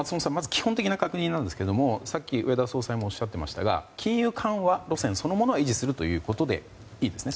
基本的な確認なんですがさっき植田総裁もおっしゃっていましたが金融緩和路線そのものは維持するということでいいですね。